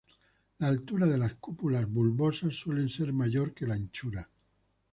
La altura de las cúpulas bulbosas suele ser mayor que la anchura.